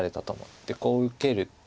でこう受ける。